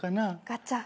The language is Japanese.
ガチャ。